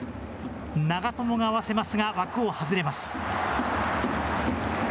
長友が合わせますが、枠を外れます。